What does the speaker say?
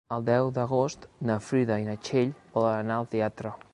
El deu d'agost na Frida i na Txell volen anar al teatre.